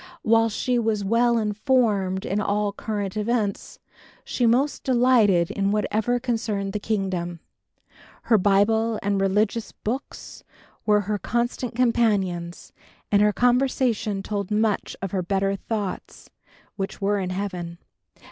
While she was well informed in all current events, she most delighted in whatever concerned the Kingdom. Her Bible and religious books were her constant companions and her conversation told much of her better thoughts, which were in Heaven.